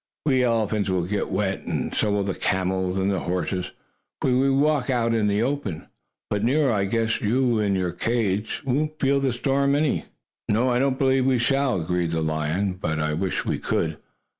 We elephants will get wet, and so will the camels and the horses, for we walk out in the open. But, Nero, I guess you in your cage won't feel the storm any." "No, I don't believe we shall," agreed the lion. "But I wish we could.